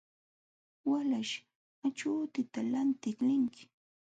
Walaśh, achuutita lantiq linki.